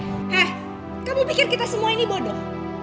eh kamu pikir kita semua ini bodoh